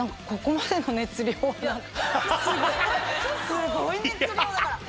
すごい熱量だから。